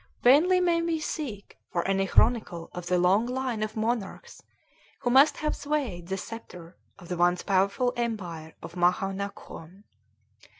Vainly may we seek for any chronicle of the long line of monarchs who must have swayed the sceptre of the once powerful empire of Maha Naghkon.